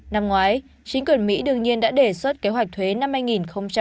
năm ngoái chính quyền mỹ đương nhiên đã đề xuất kế hoạch thuế năm hai nghìn hai mươi